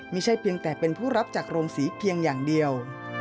ไม่ใช่เพียงแต่เป็นผู้รับจากโรงศรีเพียงอย่างเดียว